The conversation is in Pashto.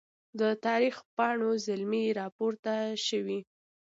د تاریخ پاڼو زلمي راپورته سوي